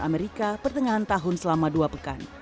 amerika pertengahan tahun selama dua pekan